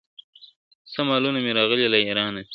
څه مالونه مي راغلي له اېران دي !.